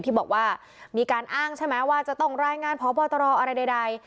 ที่บอกว่ามีการอ้างใช่ไหมว่าจะต้องรายงานพบตรอะไรใด